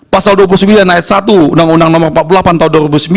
pasal dua puluh sembilan h satu u n empat puluh delapan tahun dua ribu sembilan